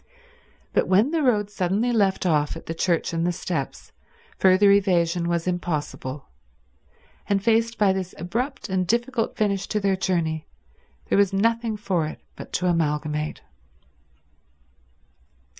But when the road suddenly left off at the church and the steps, further evasion was impossible; and faced by this abrupt and difficult finish to their journey there was nothing for it but to amalgamate.